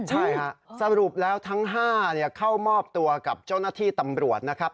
ใช่ค่ะสรุปแล้วทั้ง๕เข้ามอบตัวกับเจ้าหน้าที่ตำรวจนะครับ